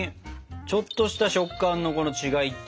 ちょっとした食感のこの違いっていう。